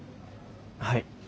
はい。